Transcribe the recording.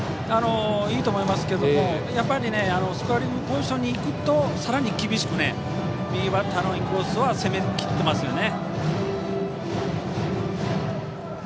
いいと思いますがスコアリングポジションにいくとさらに厳しく右バッターのインコースは攻めきってますよね。